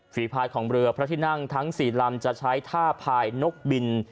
ภายของเรือพระที่นั่งทั้ง๔ลำจะใช้ท่าพายนกบิน